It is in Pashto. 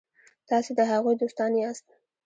تاسي د هغوی دوستان یاست.